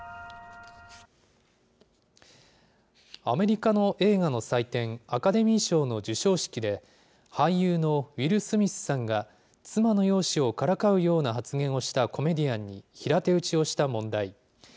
アメリカの映画の祭典、アカデミー賞の授賞式で、俳優のウィル・スミスさんが妻の容姿をからかうような発言をしたコメディアンに平手打ちをした問題。